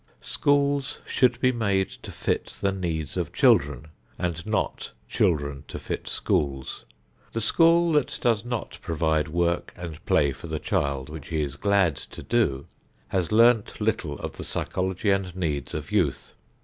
Schools should be made to fit the needs of children, and not children to fit schools. The school that does not provide work and play for the child which he is glad to do, has learned little of the psychology and needs of youth.